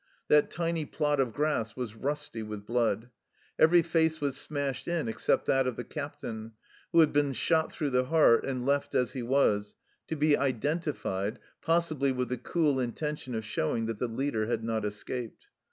That tiny plot of grass was rusty with blood. Every face was smashed in except that of the Captain, who had been shot through the heart and left as he was, to be identified, possibly with the cool intention of showing that the leader had not escaped.